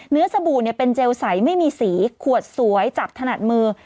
สบู่เป็นเจลใสไม่มีสีขวดสวยจับถนัดมือ